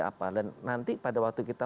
apa dan nanti pada waktu kita